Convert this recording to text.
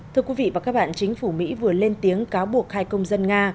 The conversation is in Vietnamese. thưa quý vị và các bạn chính phủ mỹ vừa lên tiếng cáo buộc hai công dân nga